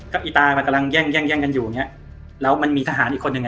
ก็อีตามันกำลังแย่งกันอยู่แล้วมันมีทหารอีกคนหนึ่ง